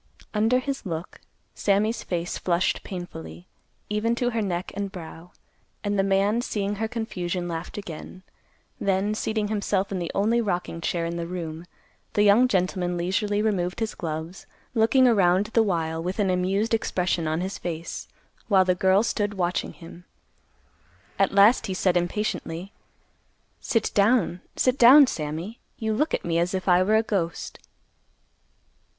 Under his look, Sammy's face flushed painfully, even to her neck and brow; and the man, seeing her confusion, laughed again. Then, seating himself in the only rocking chair in the room, the young gentleman leisurely removed his gloves, looking around the while with an amused expression on his face, while the girl stood watching him. At last, he said impatiently, "Sit down, sit down, Sammy. You look at me as if I were a ghost."